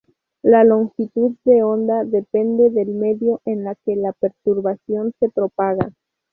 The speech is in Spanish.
La longitud de onda depende del medio en la que la perturbación se propaga.